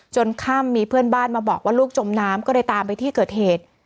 ค่ำมีเพื่อนบ้านมาบอกว่าลูกจมน้ำก็เลยตามไปที่เกิดเหตุ